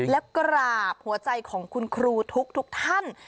และกราบหัวใจของคุณครูทุกท่าน